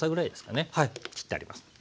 切ってあります。